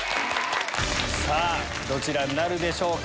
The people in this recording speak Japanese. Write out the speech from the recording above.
さぁどちらになるでしょうか？